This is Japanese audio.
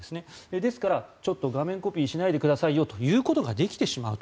ですから、画面コピーしないでくださいよということが言うことができてしまうと。